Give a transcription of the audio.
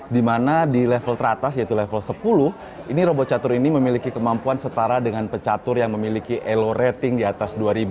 di mana di level teratas yaitu level sepuluh ini robot catur ini memiliki kemampuan setara dengan pecatur yang memiliki elo rating di atas dua